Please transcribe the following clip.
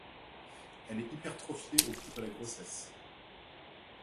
Elle est hypertrophiée au cours de la grossesse.